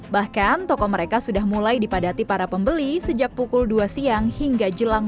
bahkan toko mereka sudah mulai dipadati para pembeli sejak pukul dua siang hingga jelang